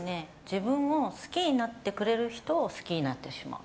自分を好きになってくれる人を好きになってしまう。